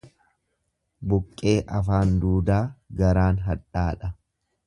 Buqqee afaan duudaa garaan hadhaadha.